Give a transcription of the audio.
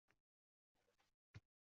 Mehmonlar o‘zoq o‘tirib turdi.